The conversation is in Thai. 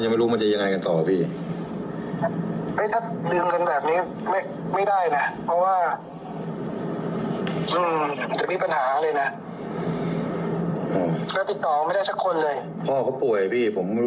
ถ้าเราทำกันแบบนี้ก็ไม่เป็นไร